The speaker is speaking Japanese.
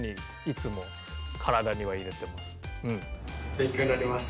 勉強になります。